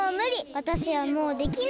わたしはもうできない！